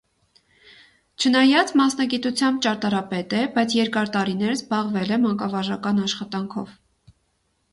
Չնայած մասնագիտությամբ ճարտարապետ է, բայց երկար տարիներ զբաղվել է մանկավարժական աշխատանքով։